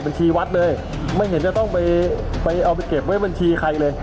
บัญชีวัดเลยไม่เห็นจะต้องไปไปเอาไปเก็บไว้บัญชีใครเลย